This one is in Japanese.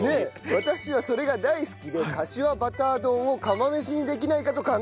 私はそれが大好きでかしわバター丼を釜飯にできないかと考えました。